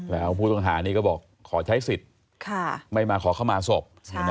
แล้วผู้ต้องหานี้ก็บอกขอใช้สิทธิ์ไม่มาขอเข้ามาศพ